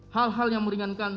hal hal yang meringankan